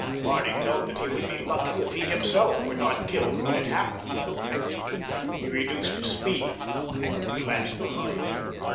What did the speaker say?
Barney felt that he would be lucky if he himself were not killed when it happened. He reduced his speed and glanced behind.